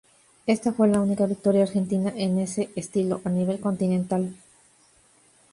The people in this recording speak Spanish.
Esta fue la única victoria argentina en ese estilo a nivel continental.